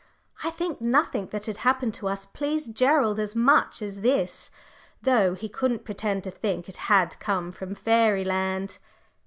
I think nothing that had happened to us pleased Gerald as much as this, though he couldn't pretend to think it had come from Fairyland.